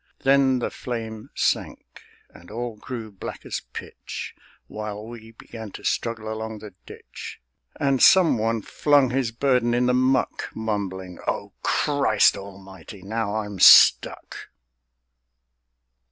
Then the flame sank, and all grew black as pitch, While we began to struggle along the ditch; And some one flung his burden in the muck, Mumbling: "O Christ Almighty, now I'm stuck!"